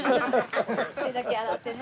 手だけ洗ってね。